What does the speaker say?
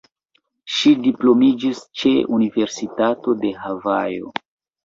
Ŝi diplomiĝis ĉe Universitato de Havajo.